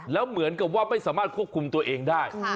แล้วเหมือนกับว่าไม่สามารถควบคุมตัวเองได้